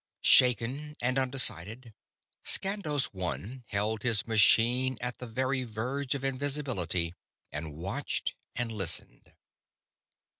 _ _Shaken and undecided, Skandos One held his machine at the very verge of invisibility and watched and listened.